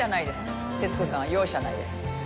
徹子さんは容赦ないです。